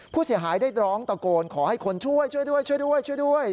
ผู้เสียหายได้ร้องตะโกนขอให้คนช่วยช่วยด้วยช่วยด้วยช่วยด้วย